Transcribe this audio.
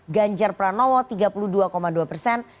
ganjar pranowo tiga puluh dua dua persen